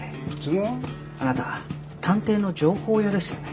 あなた探偵の情報屋ですよね？